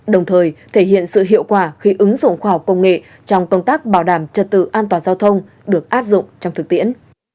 đồng thời thể hiện sự hiệu quả khi ứng dụng khoa học công nghệ trong công tác bảo đảm trật tự an toàn giao thông được áp dụng trong thực tiễn